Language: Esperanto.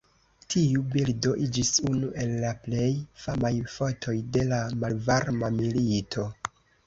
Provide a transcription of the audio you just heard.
Tiu bildo iĝis unu el la plej famaj fotoj de la malvarma milito.